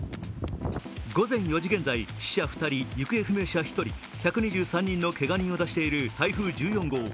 午前４時現在、死者２人、行方不明者１人、１２３人のけが人を出している台風１４号。